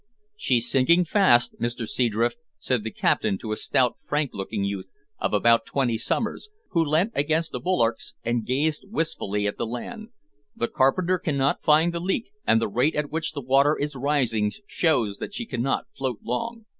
"She's sinking fast, Mr Seadrift," said the captain to a stout frank looking youth of about twenty summers, who leant against the bulwarks and gazed wistfully at the land; "the carpenter cannot find the leak, and the rate at which the water is rising shows that she cannot float long."